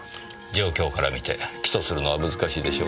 状況から見て起訴するのは難しいでしょうね。